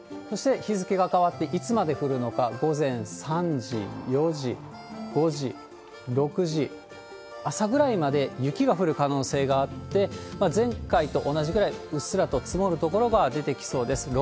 そして、日付が変わって、いつまで降るのか、午前３時、４時、５時、６時、朝ぐらいまで雪が降る可能性があって、前回と同じぐらい、うっすらと積もる所が出てきそうです。